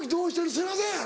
「すいません」やろ。